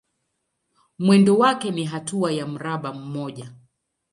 Mwendo wake ni hatua ya mraba mmoja.